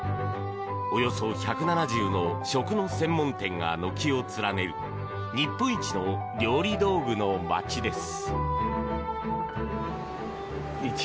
およそ１７０の食の専門店が軒を連ねる日本一の料理道具の街です。